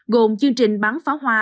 gồm chương trình bán pháo hoa